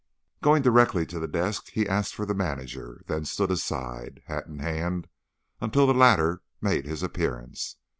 Going directly to the desk, he asked for the manager, then stood aside, hat in hand, until the latter made his appearance.